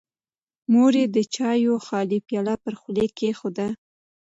مور یې د چایو خالي پیاله پر غولي کېښوده.